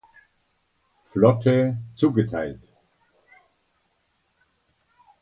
Flotte zugeteilt.